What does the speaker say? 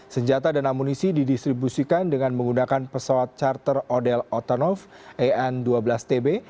senjata dan amunisi didistribusikan dengan menggunakan pesawat charter odel otanov en dua belas tb